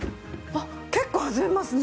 結構弾みますね。